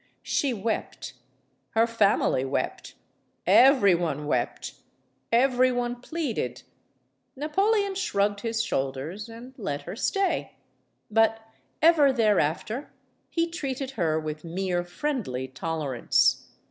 She wept. Her family wept. Every one wept. Every one pleaded. Napo leon shrugged his shoulders and let her stay. But ever thereafter he treated her with mere friendly tol erance.